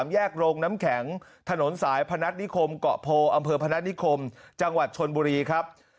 แยกโรงน้ำแข็งถนนสายพนัฐนิคมเกาะโพอำเภอพนัฐนิคมจังหวัดชนบุรีครับ